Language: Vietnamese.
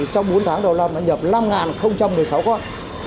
trong bốn tháng đầu năm đã nhập năm một mươi sáu con